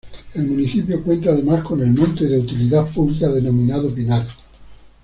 El municipio cuenta además con el Monte de Utilidad Pública denominado Pinar.